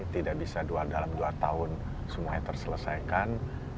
tidak bisa dalam dua tahun semuanya terselesaikan